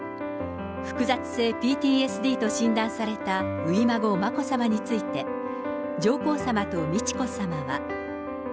複雑性ＰＴＳＤと診断された初孫、眞子さまについて、上皇さまと美智子さまは。